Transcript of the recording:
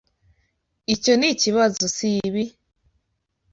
Icyo nikibazo, sibi?